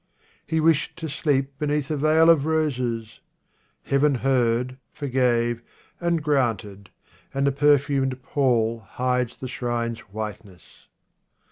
He wished to sleep Beneath a veil of roses ; Heaven heard, Forgave, and granted, and the perfumed pall Hides the shrine's whiteness.